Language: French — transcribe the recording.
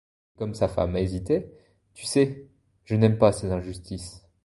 Et, comme sa femme hésitait: — Tu sais, je n’aime pas ces injustices.